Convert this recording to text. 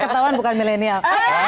ketauan bukan milenial